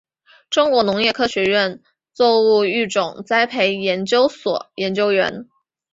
中国农业科学院作物育种栽培研究所研究员。